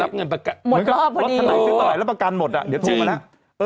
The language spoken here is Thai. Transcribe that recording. รับเงินประกันหมดรอบพอดีแล้วประกันหมดอ่ะเดี๋ยวโทรมาแล้วเออ